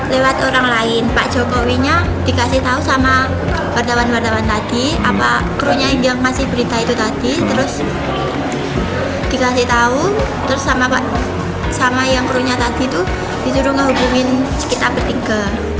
lewat orang lain pak jokowinya dikasih tahu sama pardawan pardawan tadi kru nya yang masih berita itu tadi terus dikasih tahu terus sama yang kru nya tadi itu disuruh menghubungi kita bertiga